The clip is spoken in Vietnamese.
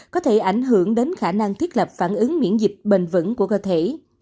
có thể ảnh hưởng đến khả năng thiết lập phản ứng miễn dịch bền vững của cơ thể